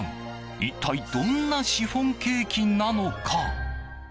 一体どんなシフォンケーキなのか。